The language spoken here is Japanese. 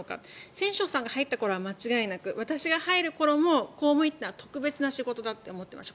千正さんが入った頃は間違いなく私が入る頃も公務員は特別な仕事だと思っていました。